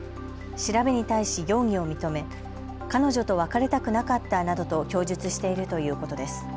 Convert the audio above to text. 調べに対し容疑を認め彼女と別れたくなかったなどと供述しているということです。